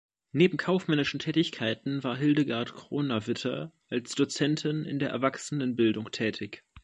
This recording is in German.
Neben kaufmännischen Tätigkeiten war Hildegard Kronawitter als Dozentin in der Erwachsenenbildung tätig.